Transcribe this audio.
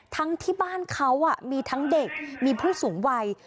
ทั้งที่บ้านเขามีทั้งเด็กมีผู้สูงวัย